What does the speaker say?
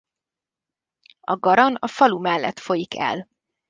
A Garan a falu mellett folyik el.